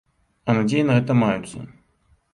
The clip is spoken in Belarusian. А надзеі на гэта маюцца.